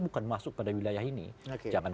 bukan masuk pada wilayah ini jangan